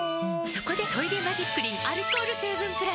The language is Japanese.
そこで「トイレマジックリン」アルコール成分プラス！